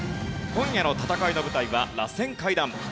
今夜の戦いの舞台は螺旋階段。